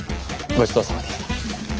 ごちそうさまでした。